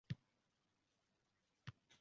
Balki uch yuz grammdir